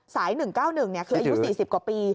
๑๙๑คืออายุ๔๐กว่าปี